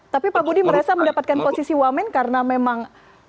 tapi pak budi merasa mendapatkan posisi wamen karena memang